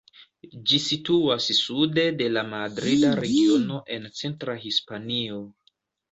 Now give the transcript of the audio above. Ĝi situas sude de la Madrida Regiono en centra Hispanio.